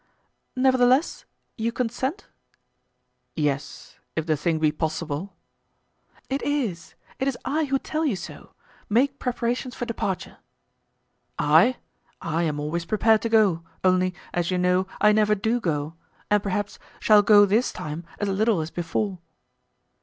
"Nevertheless, you consent?" "Yes, if the thing be possible." "It is; it is I who tell you so; make preparations for departure." "I! I am always prepared to go, only, as you know, I never do go, and perhaps shall go this time as little as before."